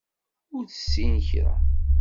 Ur tessin kra.